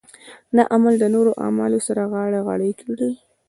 دا عمل د نورو اعمالو سره غاړه غړۍ کړي.